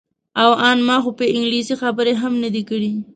او ان ما خو په انګلیسي خبرې هم نه دي کړې.